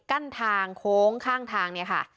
เก้าเก็บกล้างโค้งข้างทางเนี่ยค่ะ